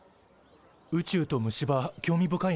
宇宙と虫歯興味深いね。